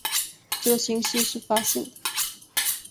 这个星系是发现的。